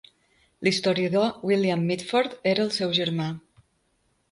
L'historiador William Mitford era el seu germà.